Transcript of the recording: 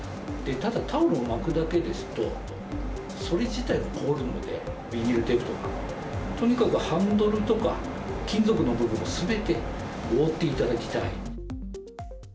ただ、タオルを巻くだけですと、それ自体が凍るので、ビニールテープとか、とにかくハンドルとか、金属の部分をすべて覆っていただきたい。